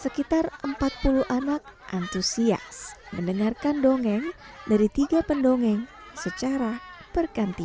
sekitar empat puluh anak antusias mendengarkan dongeng dari tiga pendongeng secara bergantian